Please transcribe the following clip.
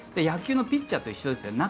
野球のピッチャーと一緒ですね。